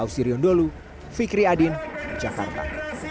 ausirion dholu fikri adin jakarta